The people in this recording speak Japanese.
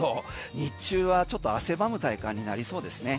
日中はちょっと汗ばむ体感になりそうですね。